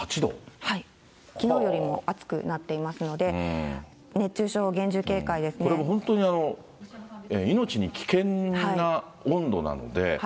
きのうよりも暑くなっていますので、熱中症、これも本当に、命に危険な温度なので。